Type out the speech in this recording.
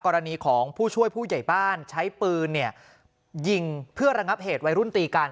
กรณีของผู้ช่วยผู้ใหญ่บ้านใช้ปืนยิงเพื่อระงับเหตุวัยรุ่นตีกัน